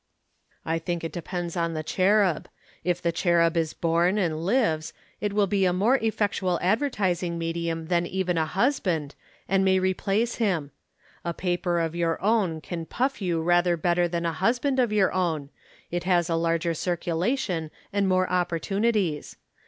"I think it depends on The Cherub. If The Cherub is born and lives, it will be a more effectual advertising medium than even a husband, and may replace him. A paper of your own can puff you rather better than a husband of your own, it has a larger circulation and more opportunities.